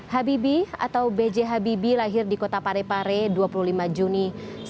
habibi atau b j habibie lahir di kota parepare dua puluh lima juni seribu sembilan ratus enam puluh